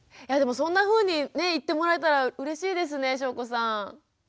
いやでもそんなふうに言ってもらえたらうれしいですね翔子さん。